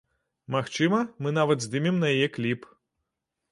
Магчыма, мы нават здымем на яе кліп.